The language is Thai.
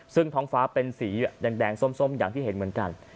ซึ่งท้องฟ้าเป็นสีแดงส้มอย่างที่เห็นเหมือนกัน